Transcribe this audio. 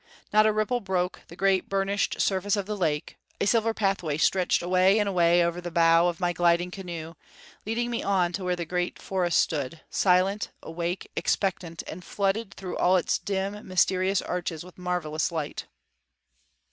Not a ripple broke the great burnished surface of the lake; a silver pathway stretched away and away over the bow of my gliding canoe, leading me on to where the great forest stood, silent, awake, expectant, and flooded through all its dim, mysterious arches with marvelous light.